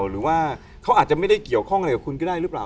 หรือว่าเขาอาจจะไม่ได้เกี่ยวข้องอะไรกับคุณก็ได้หรือเปล่า